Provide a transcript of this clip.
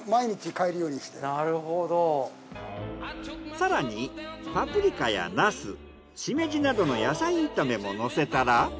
更にパプリカやナスしめじなどの野菜炒めものせたら。